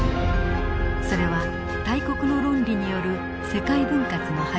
それは大国の論理による世界分割の始まりでした。